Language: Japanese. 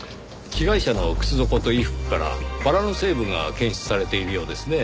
被害者の靴底と衣服からバラの成分が検出されているようですね。